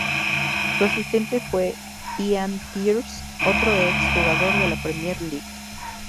Su asistente fue Ian Pearce, otro ex jugador de la Premier League.